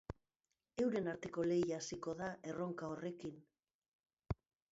Euren arteko lehia hasiko da erronka horrekin.